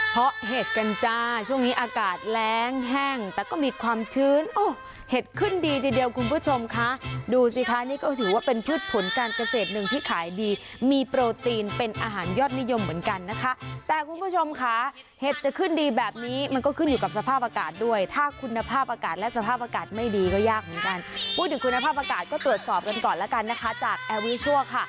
เพราะเห็ดกันจ้าช่วงนี้อากาศแรงแห้งแต่ก็มีความชื้นเห็ดขึ้นดีทีเดียวคุณผู้ชมค่ะดูสิค่ะนี่ก็ถือว่าเป็นพืชผลการเกษตรหนึ่งที่ขายดีมีโปรตีนเป็นอาหารยอดนิยมเหมือนกันนะคะแต่คุณผู้ชมค่ะเห็ดจะขึ้นดีแบบนี้มันก็ขึ้นอยู่กับสภาพอากาศด้วยถ้าคุณภาพอากาศและสภาพอากาศ